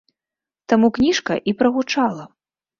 Таму кніжка і прагучала!